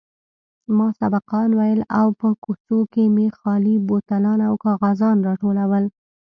ما سبقان ويل او په کوڅو کښې مې خالي بوتلان او کاغذان راټولول.